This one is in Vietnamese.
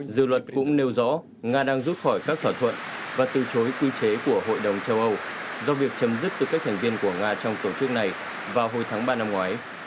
dự luật cũng nêu rõ nga đang rút khỏi các thỏa thuận và từ chối quy chế của hội đồng châu âu do việc chấm dứt tư cách thành viên của nga trong tổ chức này vào hồi tháng ba năm ngoái